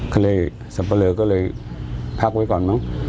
ก็เลยสับปะเลอก็เลยพักไว้ก่อนมั้ง